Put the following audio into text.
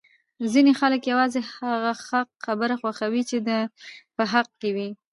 ځینی خلک یوازی هغه حق خبره خوښوي چې د ده په حق کي وی!